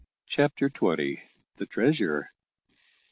CHAPTER TWENTY. THE TREASURE.